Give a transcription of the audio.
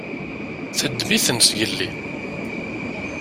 Teddem-iten zgelli.